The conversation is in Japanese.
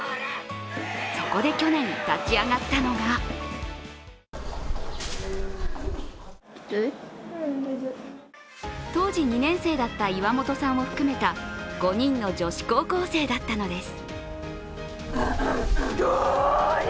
そこで去年、立ち上がったのが当時２年生だった岩元さんを含めた５人の女子高校生だったのです。